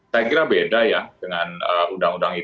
saya kira beda ya dengan undang undang ite